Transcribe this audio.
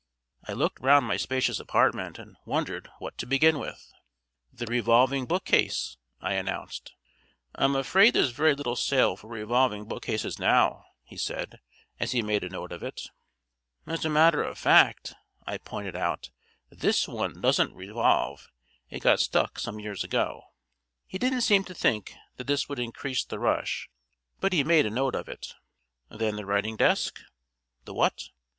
I looked round my spacious apartment and wondered what to begin with. "The revolving bookcase," I announced. "I'm afraid there's very little sale for revolving bookcases now," he said, as he made a note of it. "As a matter of fact," I pointed out, "this one doesn't revolve. It got stuck some years ago." He didn't seem to think that this would increase the rush, but he made a note of it. "Then the writing desk." "The what?"